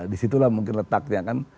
di situlah mungkin letaknya kan